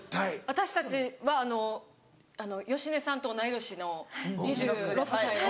私たちは芳根さんと同い年の２６歳なので。